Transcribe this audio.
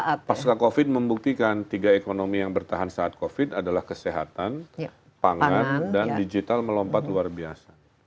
karena pasca covid membuktikan tiga ekonomi yang bertahan saat covid adalah kesehatan pangan dan digital melompat luar biasa